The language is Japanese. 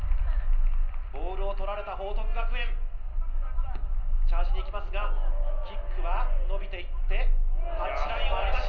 ボールをとられた報徳学園、チャージに行きますが、キックは伸びていってタッチラインを割りました。